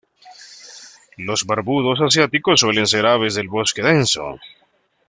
Los barbudos asiáticos suelen ser aves del bosque denso.